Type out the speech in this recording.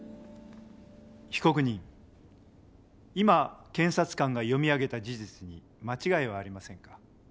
被告人今検察官が読み上げた事実に間違いはありませんか？